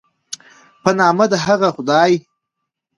په نامه د هغه خدای